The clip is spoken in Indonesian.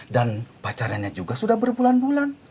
dan pacarannya juga sudah berbulan bulan